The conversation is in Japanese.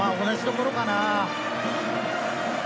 同じところかな？